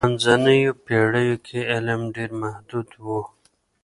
په منځنیو پېړیو کي علم ډېر محدود و.